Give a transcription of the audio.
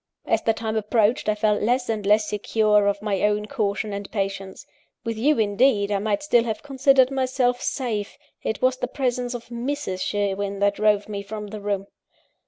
As the time approached, I felt less and less secure of my own caution and patience. With you, indeed, I might still have considered myself safe: it was the presence of Mrs. Sherwin that drove me from the room.